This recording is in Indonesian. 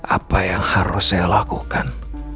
apa yang harus saya lakukan